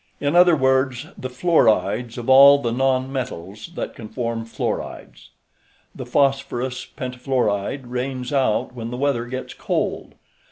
In other words, the fluorides of all the non metals that can form fluorides. The phosphorous pentafluoride rains out when the weather gets cold.